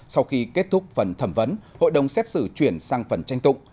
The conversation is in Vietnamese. sau khi kết thúc phần thẩm vấn hội đồng xét xử chuyển sang phần tranh tụng